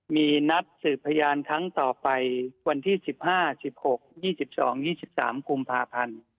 มีนัดสืบพยานครั้งต่อไปวันที่๑๕๑๖๒๒๒๓กุมภาพันธ์